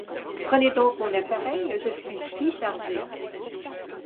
Prenez donc mon appareil, je suis si chargé.